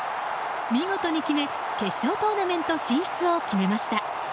見事に決め決勝トーナメント進出を決めました。